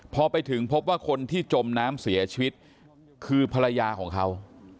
พอไปถึงพบว่าคนที่จมน้ำเสียชีวิตคือภรรยาของเขา